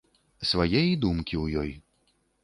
Свае і думкі ў ёй.